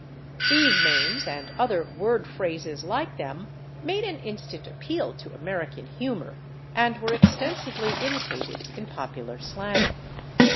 These names, and other word phrases like them, made an instant appeal to American humor, and were extensively imitated in popular slang.